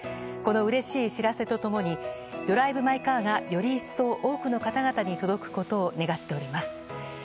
このうれしい知らせと共に、ドライブ・マイ・カーがより一層、多くの方々に届くことを願っております。